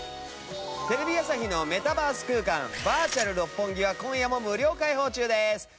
テレビ朝日のメタバース空間バーチャル六本木は今夜も無料開放中です。